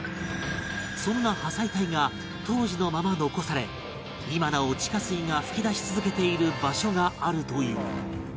そんな破砕帯が当時のまま残され今なお地下水が噴き出し続けている場所があるという